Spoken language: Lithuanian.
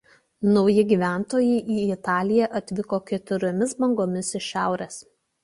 Nauji gyventojai į Italiją atvyko keturiomis bangomis iš šiaurės.